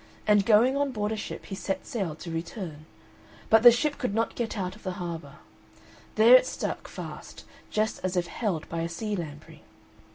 And going on board a ship he set sail to return, but the ship could not get out of the harbour; there it stuck fast just as if held by a sea lamprey.